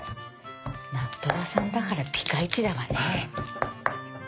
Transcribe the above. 納豆屋さんだからピカイチだわね。